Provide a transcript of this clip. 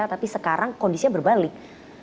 tapi sekarang kondisinya berbalik